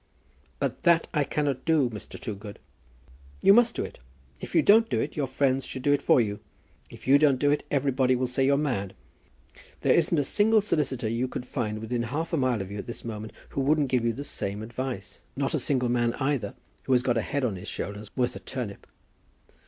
"But that I cannot do, Mr. Toogood." "You must do it. If you don't do it, your friends should do it for you. If you don't do it, everybody will say you're mad. There isn't a single solicitor you could find within half a mile of you at this moment who wouldn't give you the same advice, not a single man, either, who has got a head on his shoulders worth a turnip."